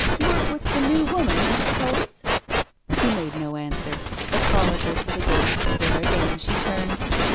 " Work with the New Woman, I suppose?" He made no answer, but followed her to the gate^ where again she turned.